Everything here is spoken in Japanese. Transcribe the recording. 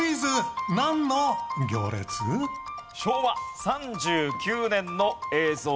昭和３９年の映像です。